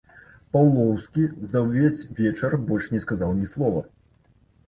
Паўлоўскі за ўвесь вечар больш не сказаў ні слова.